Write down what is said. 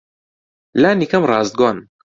لانیکەم ڕاستگۆن.